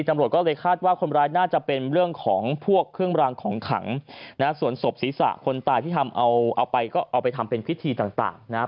ตำรวจก็เลยคาดว่าคนร้ายน่าจะเป็นเรื่องของพวกเครื่องรางของขังนะฮะส่วนศพศีรษะคนตายที่ทำเอาเอาไปก็เอาไปทำเป็นพิธีต่างนะครับ